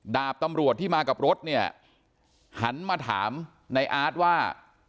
ดาบตำรวจที่มากับรถเนี่ยหันมาถามในอาร์ตว่า